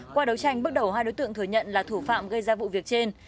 qua đấu tranh bước đầu hai đối tượng thừa nhận là thủ phạm gây ra vụ việc trên